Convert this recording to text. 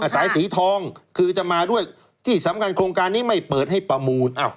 สายสีทองคือจะมาด้วยที่สำคัญโครงการนี้ไม่เปิดให้ประมูล